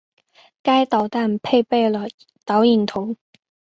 该导弹配备了导引头。